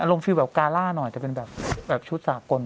อารมณ์ฟิลล์แบบกาล่าหน่อยจะเป็นแบบชุดสากล